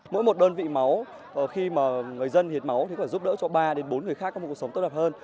mỗi một đơn vị máu khi mà người dân hiến máu thì phải giúp đỡ cho ba đến bốn người khác có một cuộc sống tốt đẹp hơn